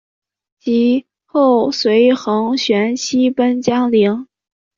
及后随桓玄西奔江陵。